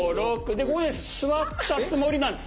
でここで座ったつもりなんです。